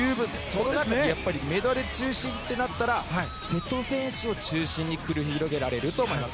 その中でメドレー中心となったら瀬戸選手を中心に繰り広げられると思います。